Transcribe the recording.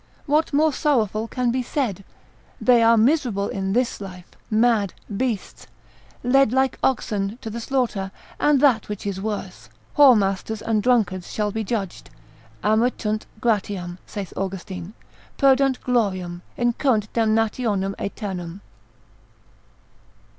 What more sorrowful can be said? they are miserable in this life, mad, beasts, led like oxen to the slaughter: and that which is worse, whoremasters and drunkards shall be judged, amittunt gratiam, saith Austin, perdunt gloriam, incurrunt damnationem aeternam.